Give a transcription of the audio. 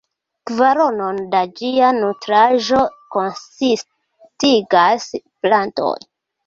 Kvaronon da ĝia nutraĵo konsistigas plantoj.